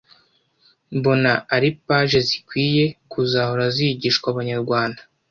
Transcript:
mbona ari pages zikwiye kuzahora zigishwa abanyarwanda